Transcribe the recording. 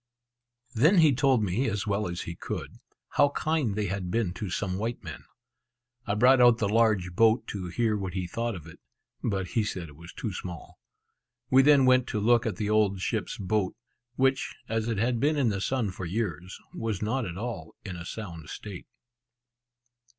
Then he told me as well as he could, how kind they had been to some white men. I brought out the large boat to hear what he thought of it, but he said it was too small. We then went to look at the old ship's boat, which, as it had been in the sun for years, was not at all in a sound state.